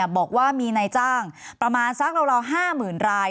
บอกว่ามีนายจ้างประมาณสักราว๕๐๐๐ราย